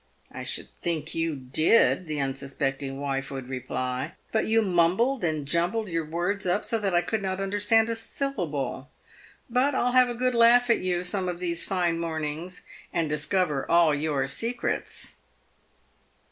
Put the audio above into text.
" I should think you did," the unsus pecting wife would reply; "but you mumbled and jumbled your words up so that I could not understand a syllable. But I'll have a good laugh at you some of these fine mornings and discover all your secrets."